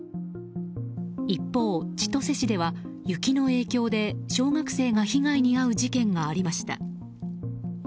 一方、千歳市では雪の影響で小学生が被害に遭う事件がありました。